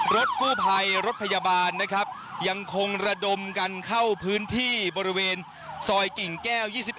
รถกู้ภัยรถพยาบาลนะครับยังคงระดมกันเข้าพื้นที่บริเวณซอยกิ่งแก้ว๒๑